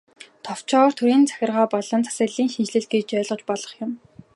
Товчоор, төрийн захиргаа болон засаглалын шинэтгэл гэж ойлгож болох юм.